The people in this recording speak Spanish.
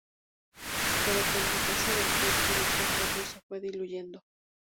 Pero con el paso del tiempo, dicho acuerdo se fue diluyendo.